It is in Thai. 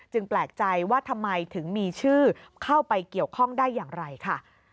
แปลกใจว่าทำไมถึงมีชื่อเข้าไปเกี่ยวข้องได้อย่างไรค่ะ